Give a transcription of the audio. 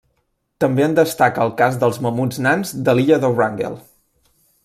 També en destaca el cas dels mamuts nans de l'illa de Wrangel.